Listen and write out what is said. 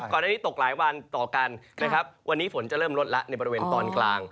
อันนี้ตกหลายวันต่อกันนะครับวันนี้ฝนจะเริ่มลดละในบริเวณตอนกลาง